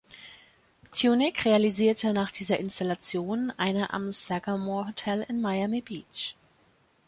Tunick realisierte nach dieser Installation eine am Sagamore Hotel in Miami Beach.